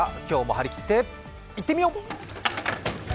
今日も張り切っていってみよう！